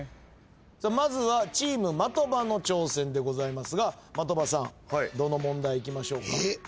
まずはチーム的場の挑戦でございますが的場さんどの問題いきましょうか。